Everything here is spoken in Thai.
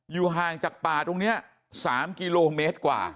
ห่างจากป่าตรงนี้๓กิโลเมตรกว่า